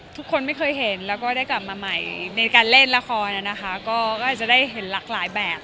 ทุกคนไม่เคยเห็นแล้วก็ได้กลับมาใหม่ในการเล่นละครนะคะก็อาจจะได้เห็นหลากหลายแบบ